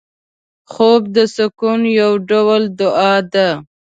خوب د سکون یو ډول دعا ده